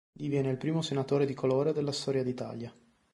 Diviene il primo senatore di colore della storia d'Italia.